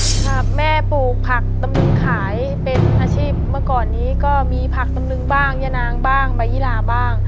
ครับแม่ปลูกผักตำลึงขายเป็นอาชีพเมื่อก่อนนี้ก็มีผักตำนึงบ้างย่านางบ้างใบยี่ลาบ้าง